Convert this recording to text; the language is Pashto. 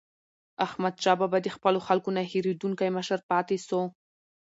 احمدشاه بابا د خپلو خلکو نه هېریدونکی مشر پاتې سو.